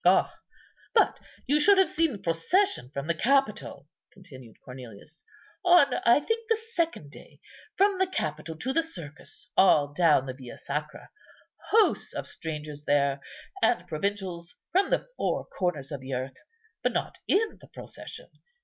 "Ah! but you should have seen the procession from the Capitol," continued Cornelius, "on, I think, the second day; from the Capitol to the Circus, all down the Via Sacra. Hosts of strangers there, and provincials from the four corners of the earth, but not in the procession.